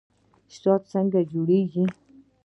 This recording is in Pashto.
شات څنګه جوړیږي؟